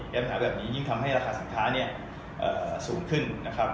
ปัญหาแบบนี้ยิ่งทำให้ราคาสินค้าเนี่ยสูงขึ้นนะครับ